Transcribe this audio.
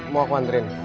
mau aku anterin